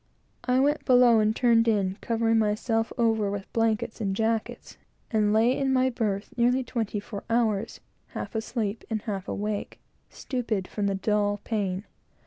I went below and turned in, covering myself over with blankets and jackets, and lay in my berth nearly twenty four hours, half asleep and half awake, stupid, from the dull pain.